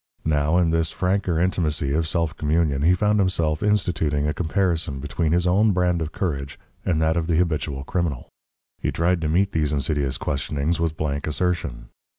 Now, in this franker intimacy of self communion he found himself instituting a comparison between his own brand of courage and that of the habitual criminal. He tried to meet these insidious questionings with blank assertion.